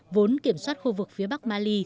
vốn kiểm soát khu vực phía bắc mali